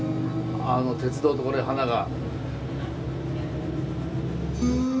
鉄道とこれ花が。